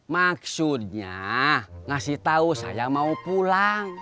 maksudnya ngasih tahu saya mau pulang